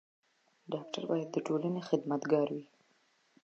ډاکټر بايد د ټولني خدمت ګار وي.